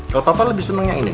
kalo papa lebih seneng yang ini